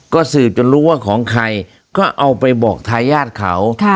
ก็สืบจนรู้ว่าของใครก็เอาไปบอกทายาทเขา